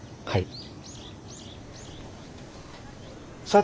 はい。